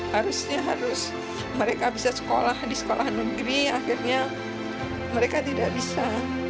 harusnya harus mereka bisa sekolah di sekolah negeri akhirnya mereka tidak bisa